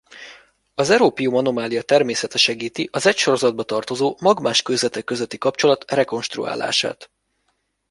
Az európium anomália természete segíti az egy sorozatba tartozó magmás kőzetek közötti kapcsolat rekonstruálását.